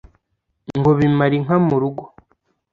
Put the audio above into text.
ngo bimara inka mu rugo